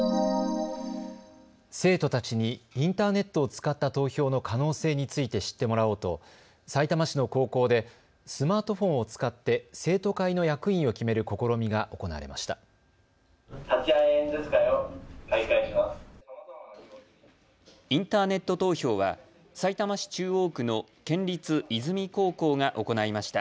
生徒たちにインターネットを使った投票の可能性について知ってもらおうとさいたま市の高校でスマートフォンを使って生徒会の役員を決める試みが行われました。